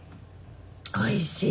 「おいしい！